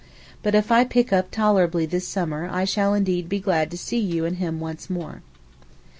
But if I pick up tolerably this summer I shall indeed be glad to see you and him once more.